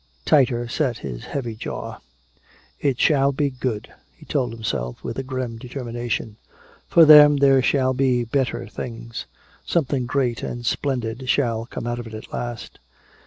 Tighter set his heavy jaw. "It shall be good," he told himself with a grim determination. "For them there shall be better things. Something great and splendid shall come out of it at last.